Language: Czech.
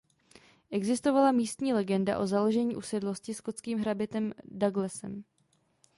Existovala místní legenda o založení usedlosti skotským hrabětem Douglasem.